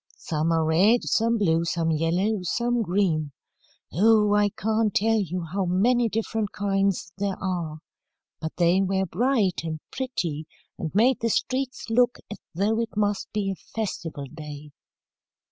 Some are red, some blue, some yellow, some green. Oh, I can't tell you how many different kinds there are. But they were bright and pretty, and made the streets look as though it must be a festival day."